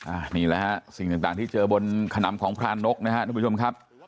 อ่านี่แหละฮะสิ่งต่างต่างที่เจอบนขนามของพลานกนะครับคุณผู้ชมครับ